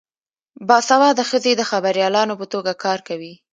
باسواده ښځې د خبریالانو په توګه کار کوي.